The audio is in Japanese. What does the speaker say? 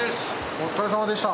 お疲れさまでした。